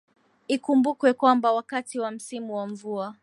Ikumbukwe kwamba wakati wa msimu wa mvua